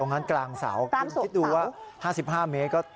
งั้นกลางเสาคุณคิดดูว่า๕๕เมตร